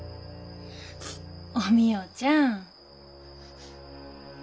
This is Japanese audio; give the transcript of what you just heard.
お美代ちゃん。